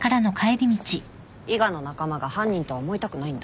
伊賀の仲間が犯人とは思いたくないんだ？